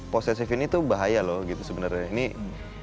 posesif ini tuh bahaya loh gitu sebenarnya